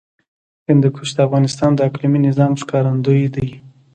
هندوکش د افغانستان د اقلیمي نظام ښکارندوی ده.